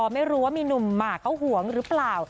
ไม่รู้ว่ามีหนุ่มหมากเขาหวงหรือเปล่า